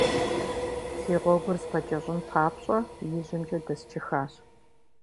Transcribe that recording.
Си гъуэгур згъэкӏэщӏын папщӏэ, ижьымкӏэ дэсчыхащ.